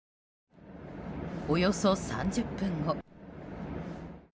およそ３０分後。